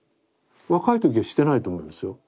若い時はしてないと思いますよ。